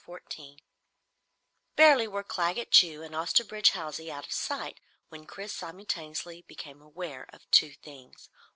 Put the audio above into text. CHAPTER 14 Barely were Claggett Chew and Osterbridge Hawsey out of sight, when Chris simultaneously became aware of two things.